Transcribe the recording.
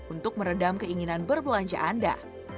untuk meredam keinginan berbelanja anda